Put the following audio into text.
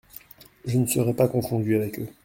Je ne serai pas confondu avec eux.